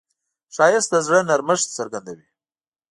ښایست د زړه نرمښت څرګندوي